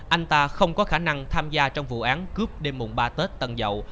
anh ta không có khả năng tham gia trong vụ án cướp đêm mùng ba tết tân dậu